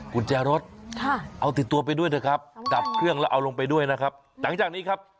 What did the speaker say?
กุญแจรถค่ะเอาติดตัวไปด้วยนะครับดับเครื่องแล้วเอาลงไปด้วยนะครับหลังจากนี้ครับ